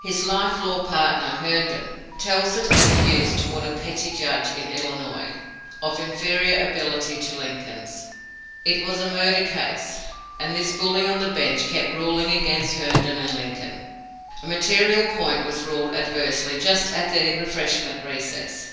His life law partner, Herndon, tells it as used toward a petty judge, in Illinois, of inferior ability to Lincoln's. It was a murder case, and this bully on the bench kept ruling against Herndon and Lincoln. A material point was ruled adversely just at the refreshment recess.